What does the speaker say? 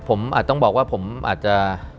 ผมอาจต้องบอกว่าผมอาจจะ